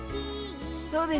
そうです。